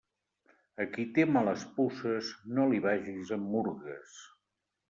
A qui té males puces, no li vagis amb murgues.